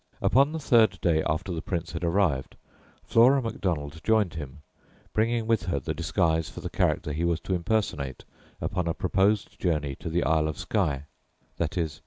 Upon the third day after the Prince had arrived, Flora Macdonald joined him, bringing with her the disguise for the character he was to impersonate upon a proposed journey to the Isle of Skye _viz.